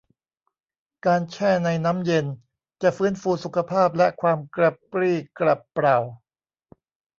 การแช่ในน้ำเย็นจะฟื้นฟูสุขภาพและความกระปรี้กระเปร่า